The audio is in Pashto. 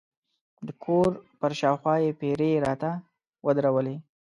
د کور پر شاوخوا یې پیرې راته ودرولې.